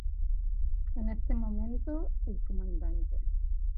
En este momento el comandante.